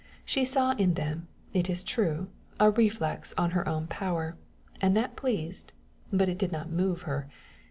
She saw in them, it is true, a reflex of her own power and that pleased, but it did not move her.